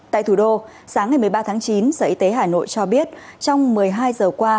tại thủ đô sáng ngày một mươi ba tháng chín sở y tế hà nội cho biết trong một mươi hai giờ qua